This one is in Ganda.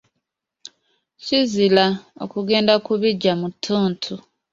Kizira okugenda ku biggya mu ttuntu.